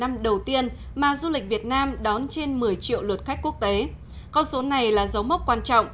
năm đầu tiên mà du lịch việt nam đón trên một mươi triệu lượt khách quốc tế con số này là dấu mốc quan trọng